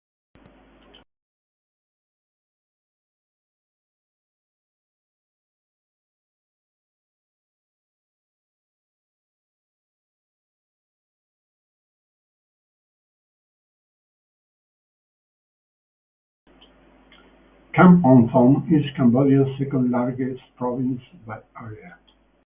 Kampong Thom is Cambodia's second largest province by area.